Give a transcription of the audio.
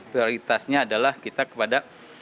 prioritasnya adalah kita kepada